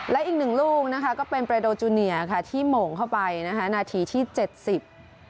และอีกหนึ่งลูกนะคะก็เป็นเรโดจูเนียค่ะที่โมงเข้าไปนะคะนาทีที่เจ็ดสิบ